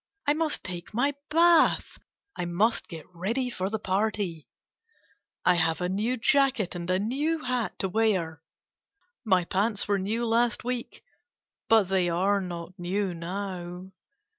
I must take my bath. I must get ready for the party. I have a new jacket and a new hat to wear. My pants were new last week, but they are not new now.